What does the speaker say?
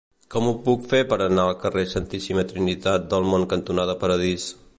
Com ho puc fer per anar al carrer Santíssima Trinitat del Mont cantonada Paradís?